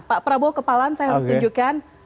pak prabowo kepalan saya harus tunjukkan